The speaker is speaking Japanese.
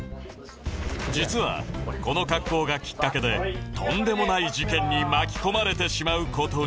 実はこの格好がきっかけでとんでもない事件に巻き込まれてしまう事に！